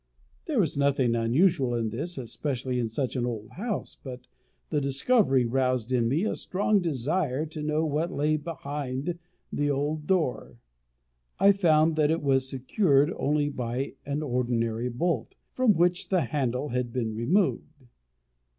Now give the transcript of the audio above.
There was nothing unusual in this, especially in such an old house; but the discovery roused in me a strong desire to know what lay behind the old door. I found that it was secured only by an ordinary bolt, from which the handle had been removed.